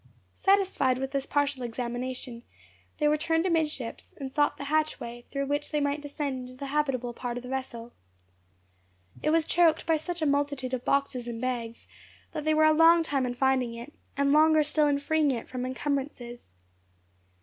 Satisfied with this partial examination, they returned amidships, and sought the hatchway, through which they might descend into the habitable part of the vessel. It was choked by such a multitude of boxes and bags, that they were a long time in finding it, and longer still in freeing it from encumbrances.